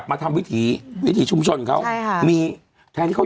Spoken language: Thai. มันก็ต้องเหมาะกับบางกลุ่ม